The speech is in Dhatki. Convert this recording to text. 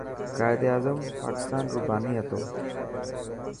قائداعظم پاڪستان رو باني هتو.